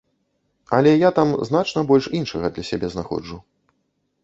Але я там значна больш іншага для сябе знаходжу.